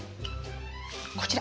こちら！